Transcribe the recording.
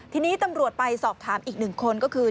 ทีนี้ตำรวจไปสอบถามอีกหนึ่งคนก็คือ